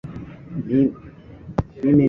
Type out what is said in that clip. Mimi ni mkuu wake kwa kila kitu.